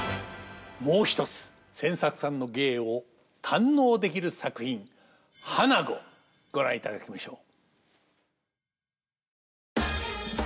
もう一つ千作さんの芸を堪能できる作品「花子」ご覧いただきましょう。